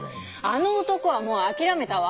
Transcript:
あの男はもう諦めたわ。